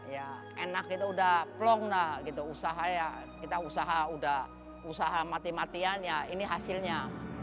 ya enak itu udah plong gitu usaha ya kita usaha udah usaha mati matian ya ini hasilnya